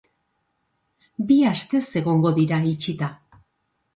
Bi astez egongo dira itxita.